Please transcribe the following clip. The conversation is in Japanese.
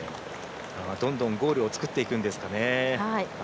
どんどんゴールを作っていくんですかね。